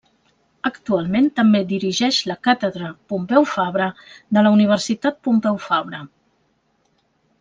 Actualment també dirigeix la Càtedra Pompeu Fabra de la Universitat Pompeu Fabra.